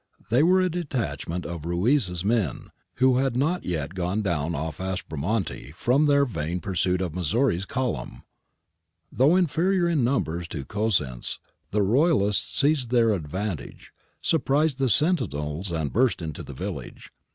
They were a de tachment of Ruiz' men who had not yet gone down oft' Aspromonte from their vain pursuit of Missori's column.^ Though inferior in numbers to Cosenz, the Royalists seized their advantage, surprised the sentinels and burst into the village.